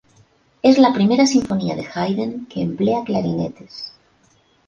Es la primera sinfonía de Haydn que emplea clarinetes.